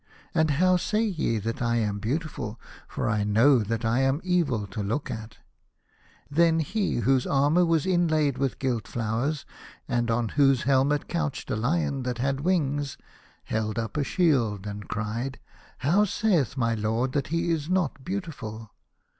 And how say ye that I am beautiful, for I know that I am evil to look at ?" Then he, whose armour was inlaid with gilt flowers, and on whose helmet couched a lion that had wings, held up a shield, and cried, " How saith my lord that he is not beautiful